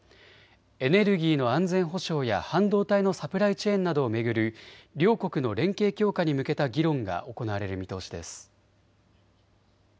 エネルギーの安全保障や半導体のサプライチェーンなどを巡る両国の連携強化に向けた議論が行われる見通しです。